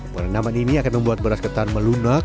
perendaman ini akan membuat beras ketan melunak